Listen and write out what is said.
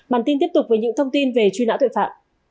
bản tin tiếp tục với những thông tin về truy nã tội phạm